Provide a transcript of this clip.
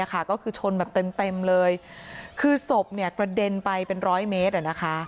ก็คือชนแบบเต็มเลยคือศพกระเด็นไปเป็นร้อยเมตร